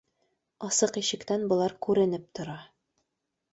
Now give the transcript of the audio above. Асыҡ ишектән былар күренеп тора